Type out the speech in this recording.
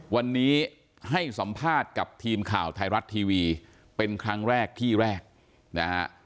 วันนี้ให้สัมภาษณ์กับทีมข่าวไทยรัฐทีวีเป็นครั้งแรกที่แรกนะฮะ